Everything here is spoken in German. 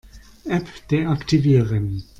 App deaktivieren.